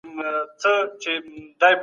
سرمايه د انکشاف یوازینی عامل نسي کېدای.